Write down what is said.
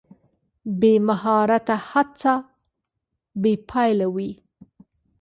بې مهارته هڅه بې پایلې وي.